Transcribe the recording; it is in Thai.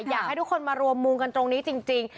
อยากให้ทุกคนมารวมมุมกันตรงนี้จริง